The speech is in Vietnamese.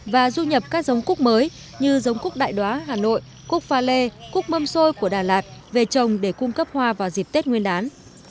và du nhập các giống cúc mới như giống cúc đại đoá hà nội cúc pha lê cúc mâm xôi của đà lạt về trồng để cung cấp hoa vào dịp tết nguyên đán